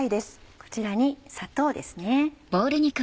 こちらに砂糖ですね。